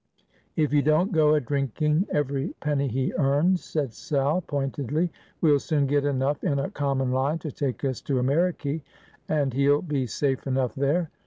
"If you don't go a drinking every penny he earns," said Sal, pointedly, "we'll soon get enough in a common line to take us to Ameriky, and he'll be safe enough there."